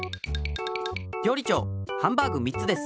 りょうり長ハンバーグ３つです。